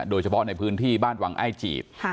โดยเฉพาะในพื้นที่บ้านวังอ้ายจีบ